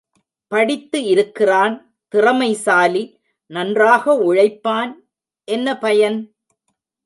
படித்து இருக்கிறான் திறமைசாலி நன்றாக உழைப்பான் என்ன பயன்?